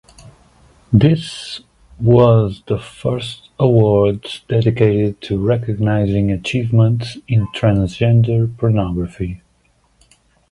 This was the first awards dedicated to recognising achievements in transgender pornography.